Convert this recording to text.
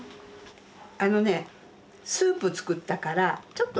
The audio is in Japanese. あのねスープ作ったからちょっと。